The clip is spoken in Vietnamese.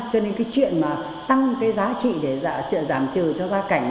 cho nên cái chuyện mà tăng cái giá trị để giảm trừ cho gia cảnh